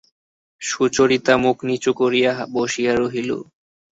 সুচরিতা মুখ নিচু করিয়া বসিয়া রহিল।